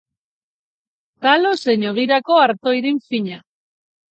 Talo zein ogirako arto irin fina.